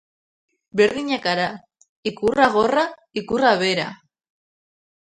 Berdinak gara... ikurra gorra, ikurra behera!